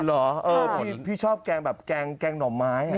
เหรอพี่ชอบแกงแบบแกงหน่อไม้